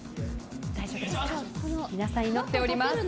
皆さん、祈っております。